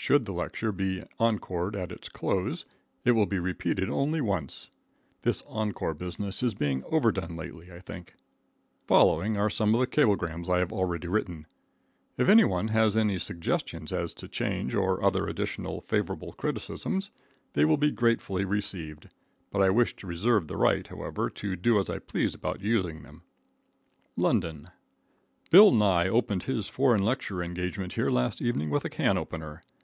Should the lecture be encored at its close, it will be repeated only once. This encore business is being overdone lately, I think. Following are some of the cablegrams I have already written. If any one has any suggestions as to change, or other additional favorable criticisms, they will be gratefully received; but I wish to reserve the right, however, to do as I please about using them: LONDON, ,, Bill Nye opened his foreign lecture engagement here last evening with a can opener.